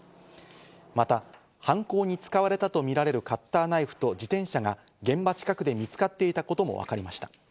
また犯行に使われたとみられるカッターナイフと自転車が現場近くで見つかっていたこともわかりました。